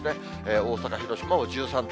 大阪、広島も１３度。